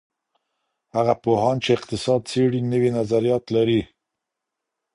هغه پوهان چی اقتصاد څېړي نوي نظريات لري.